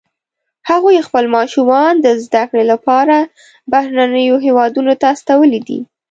هغوی خپل ماشومان د زده کړې لپاره بهرنیو هیوادونو ته استولي دي